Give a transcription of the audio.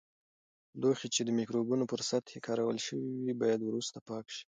لوښي چې د مکروبونو پر سطحې کارول شوي وي، باید وروسته پاک شي.